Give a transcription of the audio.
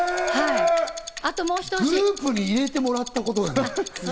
グループに入れてもらったこ